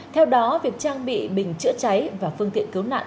theo đó việc trang bị bình chữa cháy và phương tiện cứu nạn